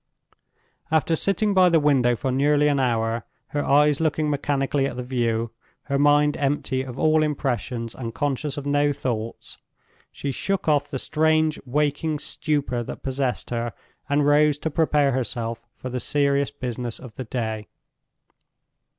After sitting by the window for nearly an hour, her eyes looking mechanically at the view, her mind empty of all impressions, and conscious of no thoughts, she shook off the strange waking stupor that possessed her, and rose to prepare herself for the serious business of the day.